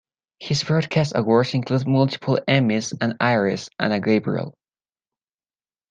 His broadcast awards include multiple Emmys, an Iris, and a Gabriel.